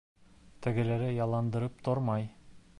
Тегеләре ялындырып тормай.